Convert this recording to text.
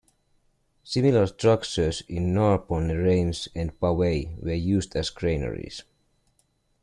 Similar structures in Narbonne, Reims, and Bavay were used as granaries.